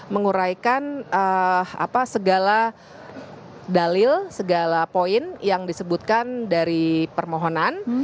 menguraikan segala dalil segala poin yang disebutkan dari permohonan